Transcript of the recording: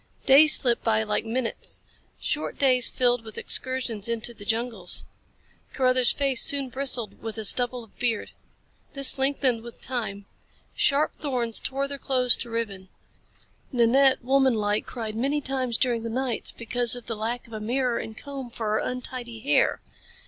Days slipped by like minutes. Short days filled with excursions into the jungles. Carruthers' face soon bristled with a stubble of beard. This lengthened with time. Sharp thorns tore their clothes to ribbons. Nanette, womanlike, cried many times during the nights because of the lack of a mirror and a comb for her untidy hair.